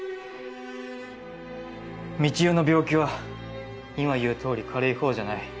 「三千代の病気は今いう通り軽い方じゃない。